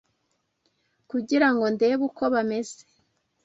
kugira ngo ndebe uko bameze